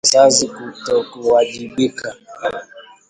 wazazi kutokuwajibika